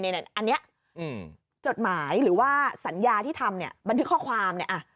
อันนี้จดหมายหรือว่าสัญญาที่ทำเนี่ยบันทึกข้อความเนี่ย